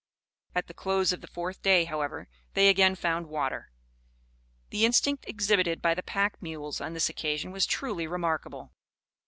At the close of the fourth day, however, they again found water. The instinct exhibited by the pack mules on this occasion was truly remarkable.